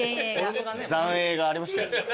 残影がありました？